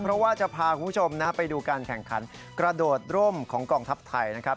เพราะว่าจะพาคุณผู้ชมไปดูการแข่งขันกระโดดร่มของกองทัพไทยนะครับ